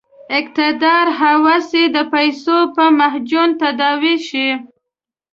اقتدار هوس یې د پیسو په معجون تداوي شي.